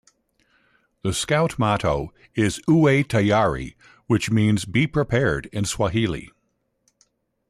The Scout Motto is "Uwe Tayari", which means "Be Prepared" in Swahili.